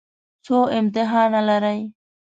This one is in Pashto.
څو امتحانه لرئ؟